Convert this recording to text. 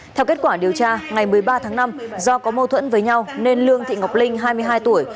theo kết quả điều tra ngày một mươi ba tháng năm do có mâu thuẫn với nhau nên lương thị ngọc linh hai mươi hai tuổi